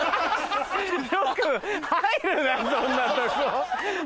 よく入るなそんなとこ。